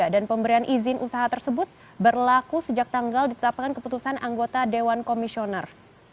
dan pemberian izin usaha tersebut berlaku sejak tanggal ditetapkan keputusan anggota dewan komisioner